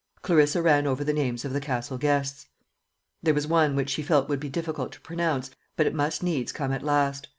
Clarissa ran over the names of the Castle guests. There was one which she felt would be difficult to pronounce, but it must needs come at last.